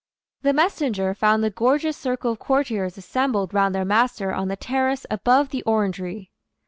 The messenger found the gorgeous circle of courtiers assembled round their master on the terrace above the orangery.